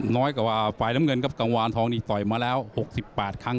น้อยก็ว่าฝ่ายน้ำเงินเกี่ยวกับกังวาลทองต่อยมา๖๘ครั้งครับ